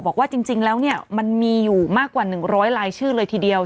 บอกว่าจริงแล้วเนี่ยมันมีอยู่มากกว่า๑๐๐ลายชื่อเลยทีเดียว